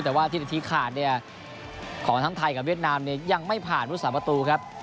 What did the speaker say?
แต่ว่าที่นาทีขาดเนี่ยของทั้งไทยกับเวียดนามเนี่ยยังไม่ผ่านผู้สาประตูครับ